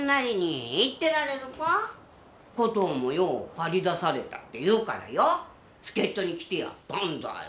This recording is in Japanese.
コトーもよかり出されたって言うからよ助っ人に来てやったんだよ。